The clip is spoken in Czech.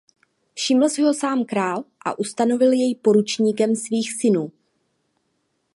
Všiml si ho sám král a ustanovil jej poručníkem svých synů.